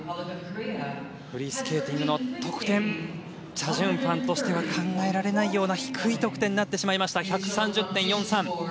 フリースケーティングの得点チャ・ジュンファンとしては考えられないような低い得点になってしまいました１３０．４３。